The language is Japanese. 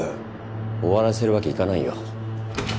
終わらせるわけいかないよ。